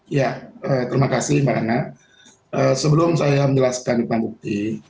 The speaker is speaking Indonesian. ya terima kasih mbak nana sebelum saya menjelaskan lima bukti